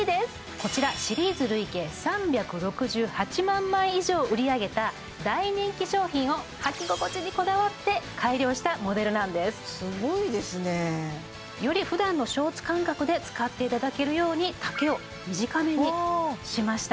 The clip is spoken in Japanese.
こちらシリーズ累計３６８万枚以上売り上げた大人気商品をはき心地にこだわって改良したモデルなんですすごいですねよりふだんのショーツ感覚で使っていただけるように丈を短めにしました